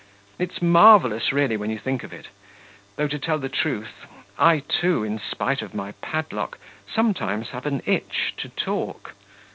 It's marvellous, really, when you think of it. Though, to tell the truth, I too, in spite of my padlock, sometimes have an itch to talk.